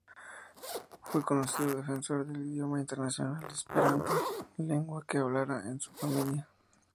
Fue un conocido defensor del idioma internacional esperanto, lengua que hablaba en su familia.